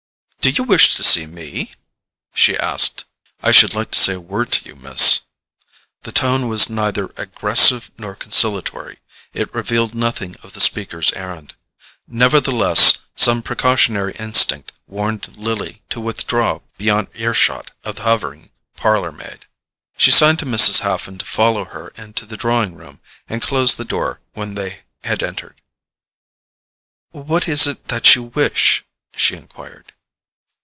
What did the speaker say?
"Do you wish to see me?" she asked. "I should like to say a word to you, Miss." The tone was neither aggressive nor conciliatory: it revealed nothing of the speaker's errand. Nevertheless, some precautionary instinct warned Lily to withdraw beyond ear shot of the hovering parlour maid. She signed to Mrs. Haffen to follow her into the drawing room, and closed the door when they had entered. "What is it that you wish?" she enquired.